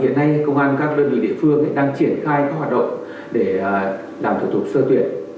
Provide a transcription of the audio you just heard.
hiện nay công an các đơn vị địa phương đang triển khai các hoạt động để làm thủ tục sơ tuyển